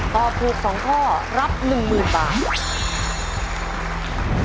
ตอบถูก๒ข้อรับ๑๐๐๐บาท